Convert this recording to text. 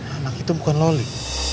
anak itu bukan loli